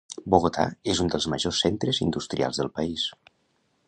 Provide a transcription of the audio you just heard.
Bogotà és un dels majors centres industrials del país.